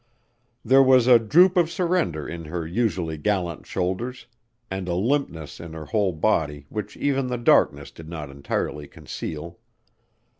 There was a droop of surrender in her usually gallant shoulders and a limpness in her whole body which even the darkness did not entirely conceal.